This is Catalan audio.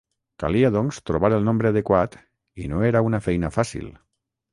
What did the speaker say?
Calia, doncs, trobar el nombre adequat i no era una feina fàcil.